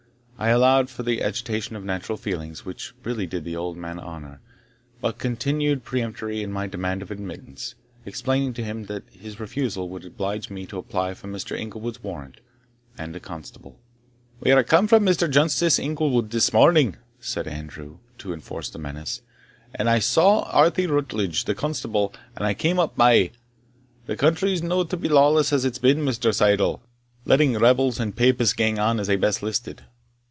I allowed for the agitation of natural feelings, which really did the old man honour; but continued peremptory in my demand of admittance, explaining to him that his refusal would oblige me to apply for Mr. Inglewood's warrant, and a constable. "We are come from Mr. Justice Inglewood's this morning," said Andrew, to enforce the menace; "and I saw Archie Rutledge, the constable, as I came up by; the country's no to be lawless as it has been, Mr. Syddall, letting rebels and papists gang on as they best listed."